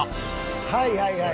はいはいはい。